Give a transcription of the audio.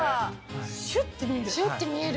シュッて見える。